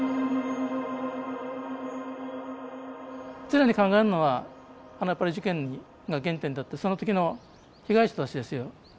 常に考えるのはあのやっぱり事件が原点であってその時の被害者たちですよ。